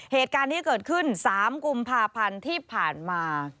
เหตุการณ์นี้เกิดขึ้น๓กุมภาพันธ์ที่ผ่านมา